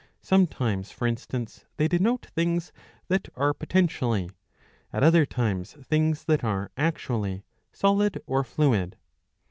Sometimes for instance they denote things that are potentially, at other times things that are actually, solid or fluid.